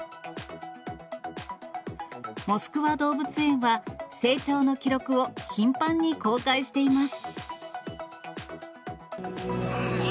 モスクワ動物園は、成長の記録を頻繁に公開しています。